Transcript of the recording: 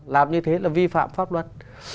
làm như thế là vi phạm pháp luật